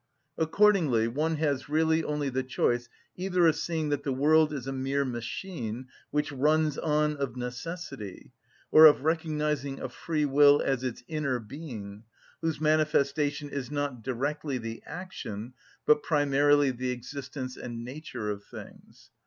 Accordingly one has really only the choice either of seeing that the world is a mere machine which runs on of necessity, or of recognising a free will as its inner being whose manifestation is not directly the action but primarily the existence and nature of things.